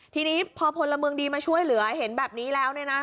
ทีนี้พอพลเมืองดีมาช่วยเหลือเห็นแบบนี้แล้ว